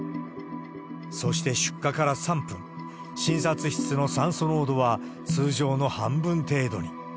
そして出火から３分、診察室の酸素濃度は通常の半分程度に。